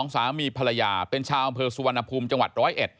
๒สามีภรรยาเป็นชาวบสุวันภูมิจังหวัด๑๐๑